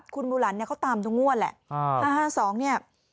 คุณบุหรรณเนี่ยเขาตามทุกงวดแหละอ่าห้าห้าสองเนี่ย